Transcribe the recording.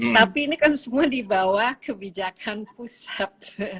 tapi ini kan semua di bawah kebijakan pusat